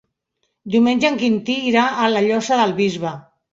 Diumenge en Quintí irà a la Llosa del Bisbe.